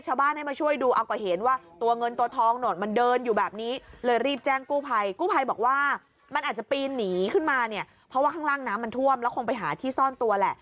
กลางดึกเมื่อวันที่๒๘ร